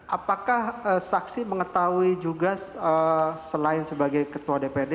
apakah saksi mengetahui juga selain sebagai ketua dprd